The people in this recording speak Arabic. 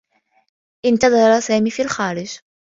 انتظر سامي في الخارج.